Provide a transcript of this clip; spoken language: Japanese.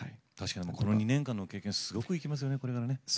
確かにこの２年間の経験すごく生きますよねこれからね。